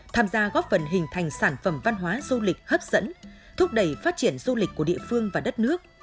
tham gia góp phần hình thành sản phẩm văn hóa du lịch hấp dẫn thúc đẩy phát triển du lịch của địa phương và đất nước